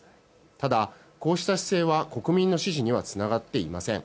ただ、こうした姿勢は国民の支持にはつながっていません。